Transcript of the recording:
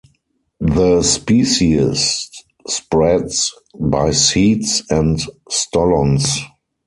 The species spreads by seeds and stolons.